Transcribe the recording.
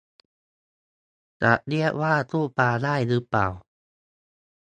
จะเรียกว่าตู้ปลาได้รึเปล่า